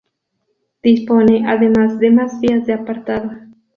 Dispone además de más vías de apartado.